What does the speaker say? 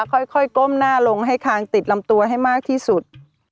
ค่อยก้มหน้าลงให้คางติดลำตัวให้มากที่สุด